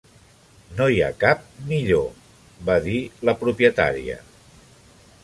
"No hi ha cap millor", va dir la propietària.